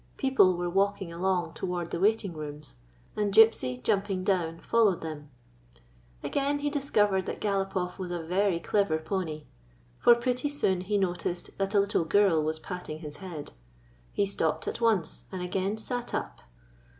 People were walking along toward the waiting rooms, and Gypsy, jumping down, followed them. Again he discovered that Galopoff was a very clever pony; for pretty soon he noticed that a little girl was patting his head. He stopped at once, and again sat up.